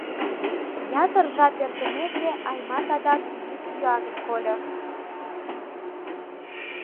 Ятыр жап эртымеке, Аймат адак йӱк-йӱаным кольо.